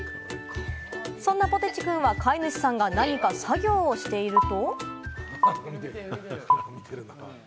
そんなポテチくんは、飼い主さんが何か作業をしていると。